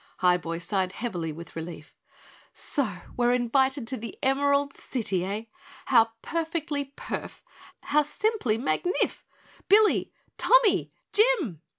Highboy sighed heavily with relief. "So we're invited to the Emerald City, eh? How perfectly perf, how simply magnif. Billy! Tommy! JIM!!"